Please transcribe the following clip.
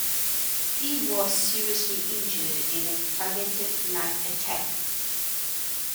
He was seriously injured in a targeted knife attack.